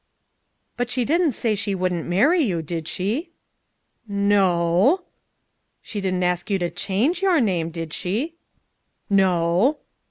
"But she didn't say she wouldn't marry you, did she?" "N o o o!" "She didn't ask you to change your name, did she?" "N o o o!"